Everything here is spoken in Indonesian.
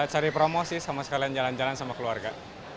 cari promo sih sama sekalian jalan jalan sama keluarga